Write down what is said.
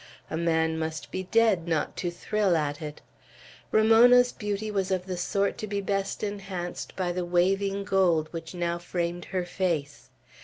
A man must be dead not to thrill at it. Ramona's beauty was of the sort to be best enhanced by the waving gold which now framed her face.